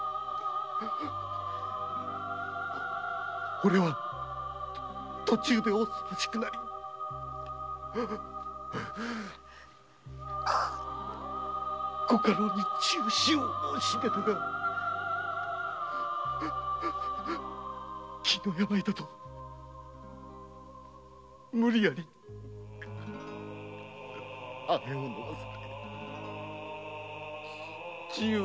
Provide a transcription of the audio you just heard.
俺は途中で恐ろしくなりご家老に中止を申し出たが気の病だと無理やりアヘンを飲まされ中毒に。